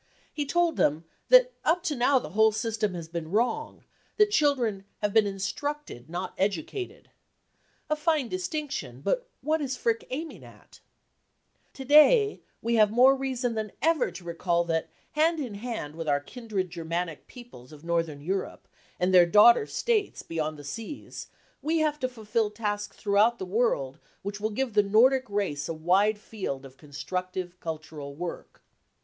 He told them that up to now the whole system has been wrong : that children 44 have been instructed, not educated." A fine distinction : but what is Frick aiming at ? 4 4 To day we have more reason than ever to recall that, hand in hand with our kindred Germanic peoples of Northern Europe, and their daughter States beyond the seas, we have to fulfil tasks throughout the world which will give the Nordic race a wide field of constructive^ cultural work."